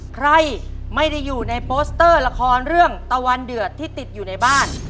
ใครไม่ได้อยู่ในโปสเตอร์ละครเรื่องตะวันเดือดที่ติดอยู่ในบ้าน